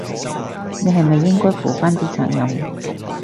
你係咪應該負返啲責任？